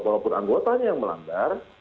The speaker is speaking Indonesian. walaupun anggotanya yang melanggar